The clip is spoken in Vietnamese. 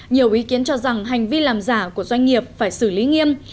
nhiều ý kiến cho rằng hành vi làm giả của doanh nghiệp phải xử lý nghiêm